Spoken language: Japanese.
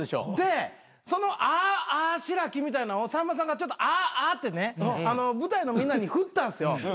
でそのあぁあぁしらきみたいなんをさんまさんがあぁあぁってね舞台のみんなに振ったんすよ。